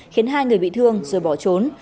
khiến hai người bị thương rồi bỏ trốn